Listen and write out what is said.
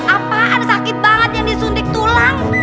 apaan sakit banget yang disuntik tulang